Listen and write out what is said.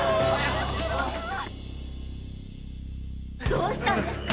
どうしたんですか？